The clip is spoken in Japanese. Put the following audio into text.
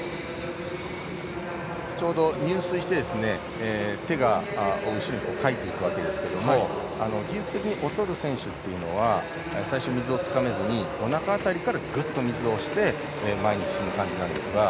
入水して、手を後ろにかいていくわけですが技術的に劣る選手というのは最初、水をつかめずおなか辺りからグッと水を押して前に進む感じなんですが。